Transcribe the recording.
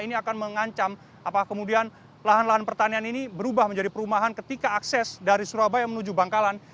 dan mengancam apakah kemudian lahan lahan pertanian ini berubah menjadi perumahan ketika akses dari surabaya menuju bangkalan